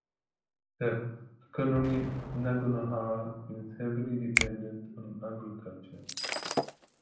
The economy of Naganohara is heavily dependent on agriculture.